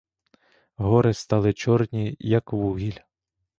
Гори стали чорні, як вугіль.